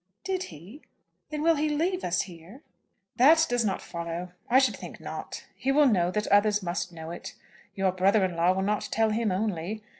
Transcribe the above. "Did he? Then will he leave us here?" "That does not follow. I should think not. He will know that others must know it. Your brother in law will not tell him only.